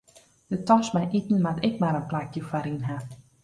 De tas mei iten moat ek mar in plakje foaryn ha.